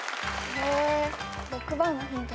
え６番のヒント